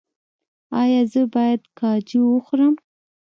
ایا زه باید کاجو وخورم؟